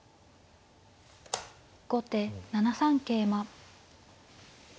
後手７三桂馬。